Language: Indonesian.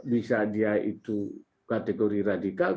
bisa dia itu kategori radikal